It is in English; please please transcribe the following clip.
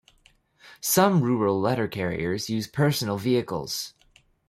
Some Rural Letter Carriers use personal vehicles.